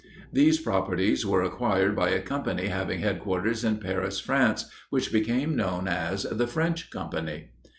These properties were acquired by a company having headquarters in Paris, France, which became known as "The French Company."